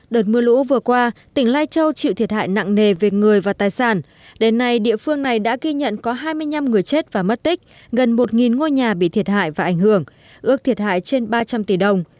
đợt mưa lũ vừa qua tỉnh lai châu chịu thiệt hại nặng nề về người và tài sản đến nay địa phương này đã ghi nhận có hai mươi năm người chết và mất tích gần một ngôi nhà bị thiệt hại và ảnh hưởng ước thiệt hại trên ba trăm linh tỷ đồng